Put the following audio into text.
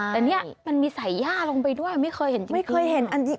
แต่นี่มันมีใสหญ้าลงไปด้วยไม่เคยเห็นจริง